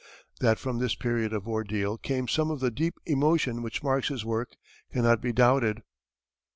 That from this period of ordeal came some of the deep emotion which marks his work cannot be doubted.